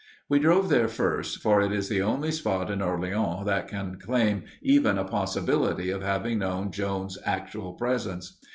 We drove there first, for it is the only spot in Orleans that can claim even a possibility of having known Joan's actual presence.